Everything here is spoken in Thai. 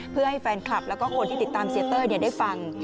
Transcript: เพื่อให้แฟนคลับแล้วก็คนที่ติดตามเสียเต้ยได้ฟัง